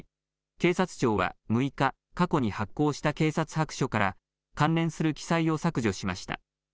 警察庁は６日過去に発行した警察白書から関連する記載を削除しました。